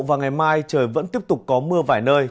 và ngày mai trời vẫn tiếp tục có mưa vài nơi